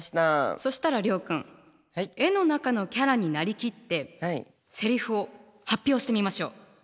そしたら諒君絵の中のキャラになりきってセリフを発表してみましょう。